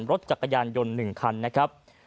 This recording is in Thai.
รถจักรยานยนต์๑คันนะครับ